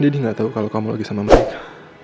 didi gak tau kalau kamu lagi sama mereka